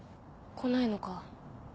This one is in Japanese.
来ないのか。